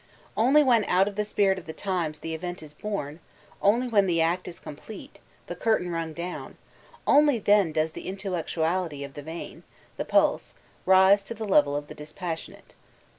Only when out of the spirit of the times the event b bom, only when the act b complete, the curtain rung down, only then does the intellectuality of the vein, the pulse, rise to the level of the dbpassionate.